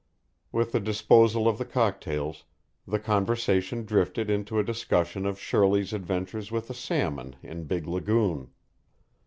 With the disposal of the cocktails, the conversation drifted into a discussion of Shirley's adventures with a salmon in Big Lagoon.